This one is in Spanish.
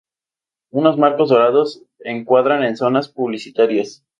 Unos marcos dorados encuadran las zonas publicitarias.